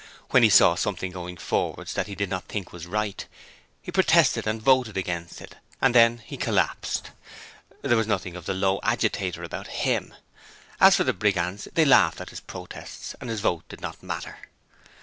When he saw something going forwards that he did not think was right, he protested and voted against it and then he collapsed! There was nothing of the low agitator about HIM. As for the Brigands, they laughed at his protests and his vote did not matter.